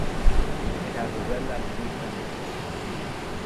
It has a well at the eastern end.